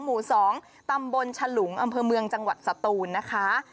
หมู่๒ตำบลฉลุงอำเภอเมืองจังหวัดสตูนนะคะ